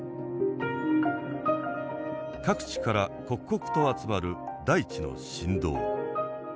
各地から刻々と集まる大地の震動。